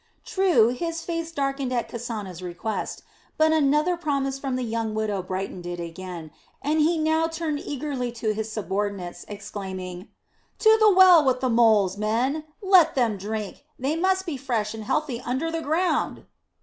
True, his face darkened at Kasana's request, but another promise from the young widow brightened it again, and he now turned eagerly to his subordinates, exclaiming: "To the well with the moles, men! Let them drink. They must be fresh and healthy under the ground!"